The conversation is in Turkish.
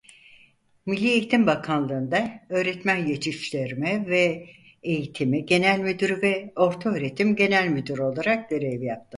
Milli Eğitim Bakanlığı'nda Öğretmen Yetiştirme ve Eğitimi Genel Müdürü ve Ortaöğretim Genel Müdürü olarak görev yaptı.